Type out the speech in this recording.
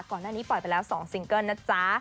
ก่อนหน้านี้ปล่อยไปแล้ว๒ซิงเกิ้ลนะจ๊ะ